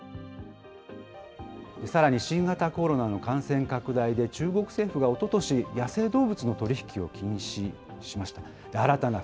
さらに新型コロナの感染拡大で、中国政府がおととし、野生動物の取り引きを禁止しました。